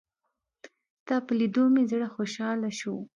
ستا په لېدو مې زړه خوشحاله شو.